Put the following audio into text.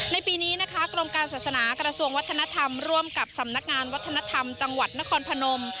ในปีนี้นะคะกรมการศาสนากระทรวงวัฒนธรรมร่วมกับสำนักงานวัฒนธรรมจังหวัดนครพนม